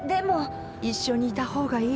一緒にいた方がいい。